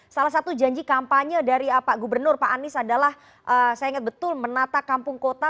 salah satu janji kampanye dari pak gubernur pak anies adalah saya ingat betul menata kampung kota